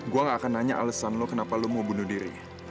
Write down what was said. gue gak akan nanya alessan lo kenapa lo mau bunuh diri